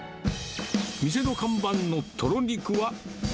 店の看板のとろ肉は。